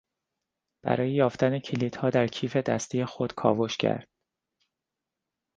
برای یافتن کلیدها در کیف دستی خود کاوش کرد.